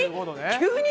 急に？